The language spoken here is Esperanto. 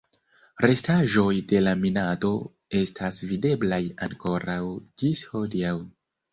Restaĵoj de la minado estas videblaj ankoraŭ ĝis hodiaŭ.